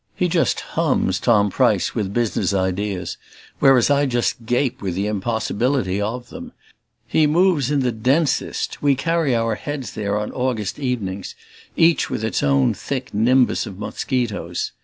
He just hums, Tom Price, with business ideas, whereas I just gape with the impossibility of them; he moves in the densest we carry our heads here on August evenings, each with its own thick nimbus of mosquitoes.